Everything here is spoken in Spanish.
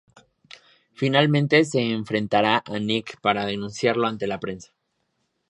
Finalmente se enfrentará a Nick para denunciarlo ante la prensa.